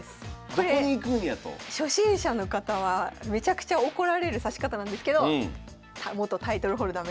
これ初心者の方はめちゃくちゃ怒られる指し方なんですけど元タイトルホルダー